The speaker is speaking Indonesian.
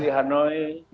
selamat dari hanoi